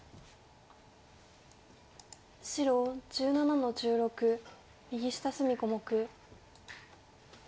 白１７の十六右下隅小目。